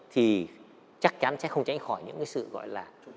thì chắc chắn sẽ không tránh khỏi những cái sự gọi là